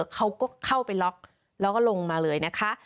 เขาก็เข้าไปล็อกแล้วก็ลงมาเลยนะคะ